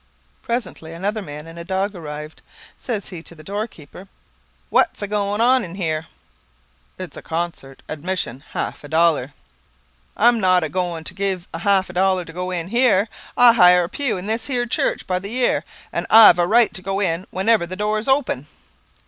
Presently, another man and a dog arrived. Says he to the doorkeeper, "What's a goin on here?" "It's a concert admission, half a dollar." "I'm not a goin' to give half a dollar to go in here. I hire a pew in this here church by the year, and I've a right to go in whenever the door's open."